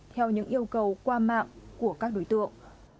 theo những yêu cầu qua mạng của các đối tượng